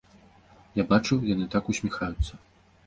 Я бачу, яны так усміхаюцца.